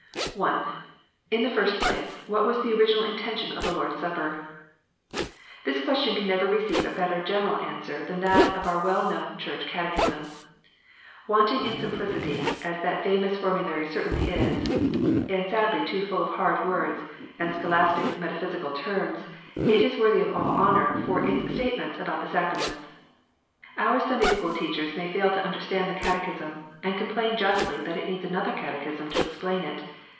I. In the first place, what ivas the original intention of the Lord s Supper ? This question can never receive a better general answer than that of our well known Church Catechism. Wanting in sim plicity, as that famous formulary certainly is, and sadly too full of hard words and scholastic metaphysical terms, it is worthy of all honour for its statements about the sacraments. Our Sunday school teachers may fail to understand the Catechism, and complain justly that it needs another Catechism to explain it.